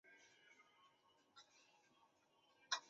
董事长及总裁为林国荣。